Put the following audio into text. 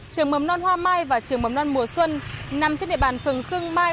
trường hồn non hoa mai và trường hồn non bồ xuân nằm trên địa bàn phường khương mai